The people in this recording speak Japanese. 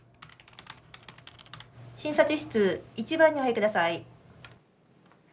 診察室１番にお入りください。